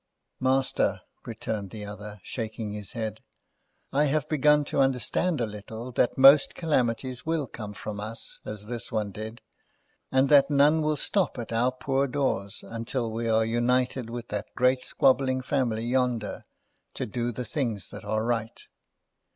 "Master," returned the other, shaking his head, "I have begun to understand a little that most calamities will come from us, as this one did, and that none will stop at our poor doors, until we are united with that great squabbling family yonder, to do the things that are right.